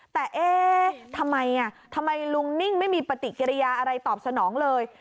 แต่เอ๊ะทำไมทำไมลุงนิ่งไม่มีปฏิกิริยาอะไรตอบสนองเลย